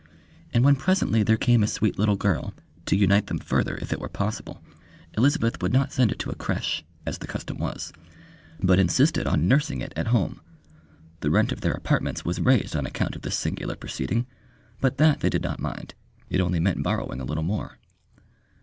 And when presently there came a sweet little girl, to unite them further if it were possible, Elizabeth would not send it to a creche, as the custom was, but insisted on nursing it at home. The rent of their apartments was raised on account of this singular proceeding, but that they did not mind. It only meant borrowing a little more.